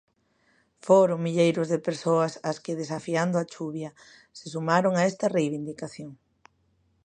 Foron milleiros de persoas as que, desafiando a chuvia, se sumaron a esta reivindicación.